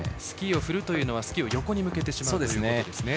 スキーを振るというのはスキーを横に向けてしまうと。